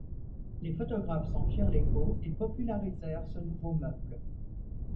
Les photographes s'en firent l'écho et popularisèrent ce nouveau meuble.